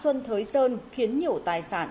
xã xuân thới sơn khiến nhiều tài sản